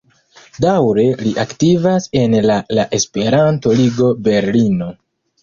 Daŭre li aktivas en la la Esperanto-Ligo Berlino.